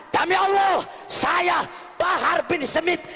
kami allah saya bahar bin smith